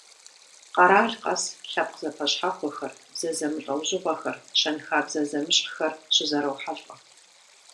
Къэрал къэс лъэпкъ зэпэщхьэхуэхэр, бзэ зэмылӏэужьыгъуэхэр, щэнхабзэ зэмыщхьхэр щызэрохьэлӏэ.